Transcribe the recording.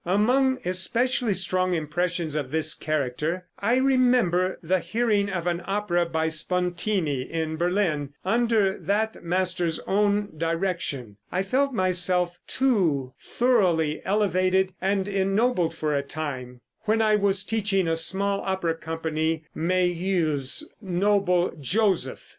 Among especially strong impressions of this character, I remember the hearing of an opera, by Spontini, in Berlin, under that master's own direction; and I felt myself, too, thoroughly elevated and ennobled for a time, when I was teaching a small opera company Méhul's noble 'Joseph.'